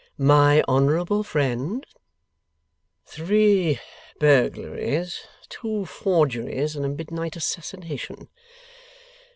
'My honourable friend.' 'Three burglaries, two forgeries, and a midnight assassination.